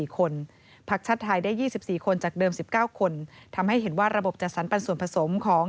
๔คนพักชาติไทยได้๒๔คนจากเดิม๑๙คนทำให้เห็นว่าระบบจัดสรรปันส่วนผสมของ